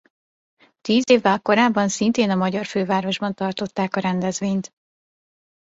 Tíz évvel korábban szintén a magyar fővárosban tartották a rendezvényt.